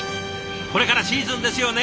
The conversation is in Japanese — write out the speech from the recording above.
これからシーズンですよね。